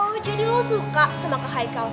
oh jadi lo suka sama kaikal